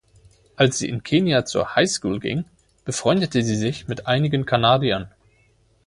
Als sie in Kenia zur High School ging, befreundete sie sich mit einigen Kanadiern.